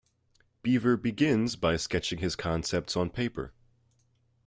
Beever begins by sketching his concepts on paper.